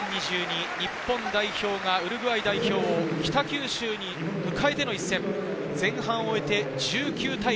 日本代表がウルグアイ代表を北九州に迎えての一戦、前半を終えて１９対０。